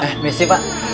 ah misi pak